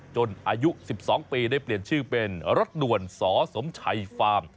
อายุ๑๒ปีได้เปลี่ยนชื่อเป็นรถด่วนสสมชัยฟาร์ม